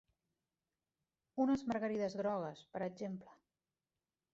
Unes margarides grogues, per exemple.